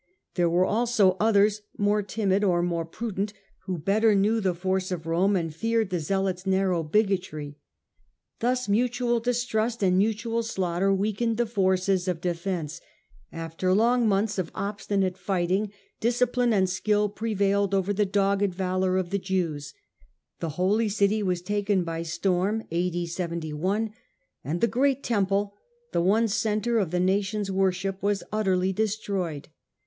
There were also others more timid or more pru dent, who better knew the force of Rome and feared the zealots' narrow bigotry. Thus mutual distrust and mutual slaughter weakened the forces of defence. After long months of obstinate fighting discipline and skill prevailed and utter de Over the dogged valour of the Jews — the Holy the"cit°"and taken by storm, and the great Temple, temple. the One centre of the nation's worship, was utterly destroyed.